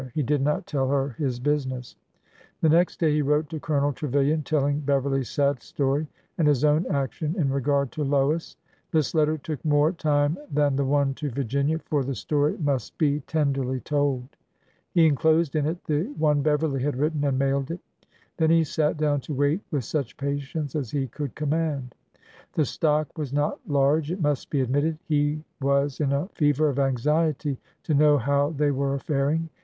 He did not tell her his business. The next day he wrote to Colonel Trevilian, telling Beverly's sad story and his own action in regard to Lois. This letter took more time than the one to Virginia, for the story must be tenderly told. He inclosed in it the one Beverly had written, and mailed it. Then he sat down to wait with such patience as he could command. The stock was not large, it must be admitted. He was in a fever of anxiety to know how they were faring.